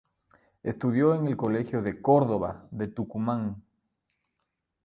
Estudió en el Colegio de Córdoba de Tucumán.